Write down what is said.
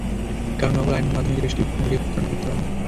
কারণ, নকল আয়নার মাধ্যমে দৃষ্টি বিভ্রম ঘটিয়ে প্রতারণা করা হতে পারে।